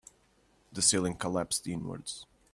The ceiling collapsed inwards.